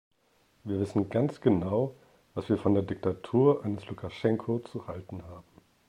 Wir wissen ganz genau, was wir von der Diktatur eines Lukaschenko zu halten haben.